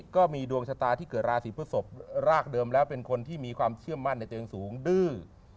ก็มีดวงชะตาที่เกิดราศีพฤศพรากเดิมแล้วเป็นคนที่มีความเชื่อมั่นในเชิงสูงดื้อ